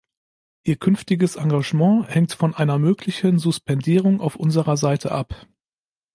Ihr künftiges Engagement hängt von einer möglichen Suspendierung auf unserer Seite ab.